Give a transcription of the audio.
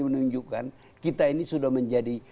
menunjukkan kita ini sudah menjadi